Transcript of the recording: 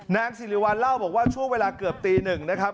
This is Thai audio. นางสิริวัลเล่าบอกว่าช่วงเวลาเกือบตีหนึ่งนะครับ